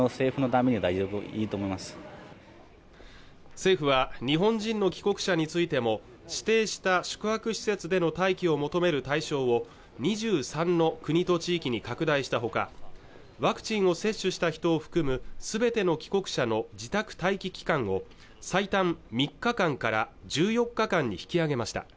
政府は日本人の帰国者についても指定した宿泊施設での待機を求める対象を２３の国と地域に拡大したほかワクチンを接種した人を含む全ての帰国者の自宅待機期間を最短３日間から１４日間に引き上げました